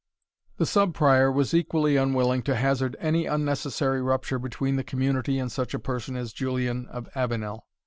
The Sub Prior was equally unwilling to hazard any unnecessary rupture between the community and such a person as Julian of Avenel.